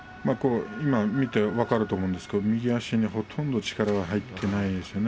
今見て分かると思うんですけれども右足がほとんど力が入っていないですね